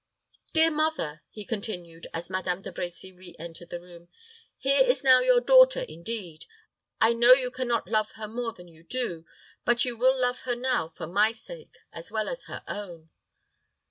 "Dear mother," he continued, as Madame De Brecy re entered the room, "here is now your daughter, indeed. I know you can not love her more than you do; but you will love her now for my sake, as well as her own."